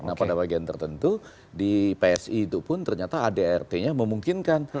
nah pada bagian tertentu di psi itu pun ternyata adrt nya memungkinkan